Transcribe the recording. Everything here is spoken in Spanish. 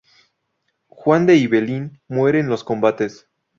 Juan de Ibelín muere en los combates.